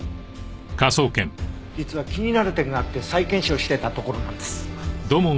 実は気になる点があって再検証してたところなんです。